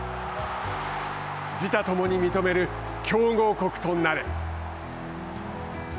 自他共に認める強豪国となれ。